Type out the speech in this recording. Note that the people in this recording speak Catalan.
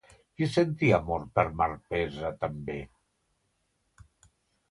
Qui sentia amor per Marpessa també?